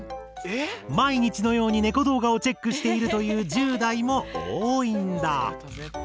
毎日のようにネコ動画をチェックしているという１０代も多いんだ。